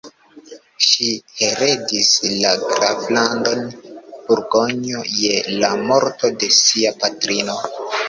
Ŝi heredis la graflandon Burgonjo je la morto de sia patrino.